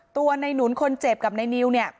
ตัวในหนุนคนเจ็บกับในนิวเนี่ย